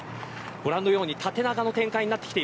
ご覧のように縦長の展開です。